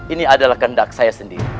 ini adalah kendak saya sendiri